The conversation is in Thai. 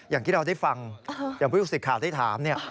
อย่างที่เราได้ฟังอย่างผู้สิทธิ์ข่าวได้ถามเนี่ย